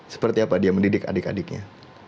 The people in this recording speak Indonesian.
seperti apa dia mendidik adik adiknya